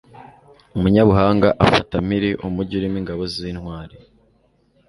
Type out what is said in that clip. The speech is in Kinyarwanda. Umunyabuhanga afata mpiri umugi urimo ingabo z’intwari